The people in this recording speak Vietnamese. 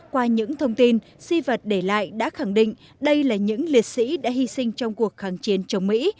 qua những thông tin di vật để lại đã khẳng định đây là những liệt sĩ đã hy sinh trong cuộc kháng chiến chống mỹ